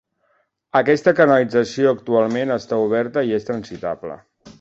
Aquesta canalització actualment està oberta i és transitable.